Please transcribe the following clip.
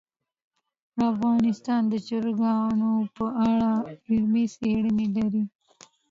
افغانستان د چرګانو په اړه علمي څېړنې لري.